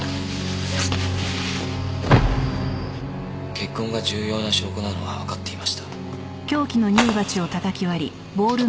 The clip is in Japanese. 血痕が重要な証拠なのはわかっていました。